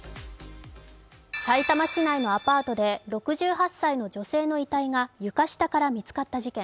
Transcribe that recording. さいたま市内のアパートで６８歳の女性の遺体が床下から見つかった事件